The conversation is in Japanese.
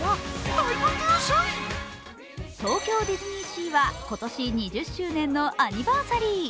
東京ディズニーシーは今年、２０周年のアニバーサリー。